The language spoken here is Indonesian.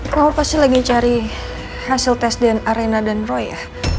kamu pasti lagi cari hasil tes di arena dan roy ya